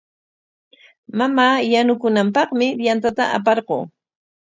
Mamaa yanukunanpaqmi yantata aparquu.